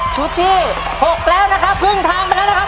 ที่๖แล้วนะครับครึ่งทางไปแล้วนะครับ